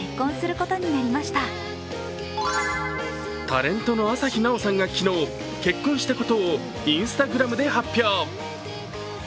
タレントの朝日奈央さんが昨日、結婚したことをＩｎｓｔａｇｒａｍで発表。